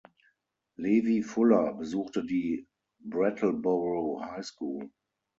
Levi Fuller besuchte die "Brattleboro High School".